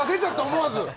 思わず。